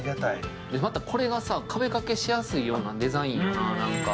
またこれがさ、壁掛けしやすいようなデザインよな。